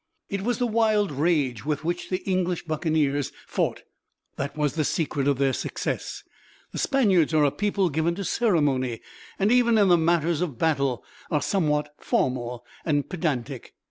It was the wild rage with which the English buccaneers fought that was the secret of their success. The Spaniards are a people given to ceremony, and even in matters of battle are somewhat formal and pedantic.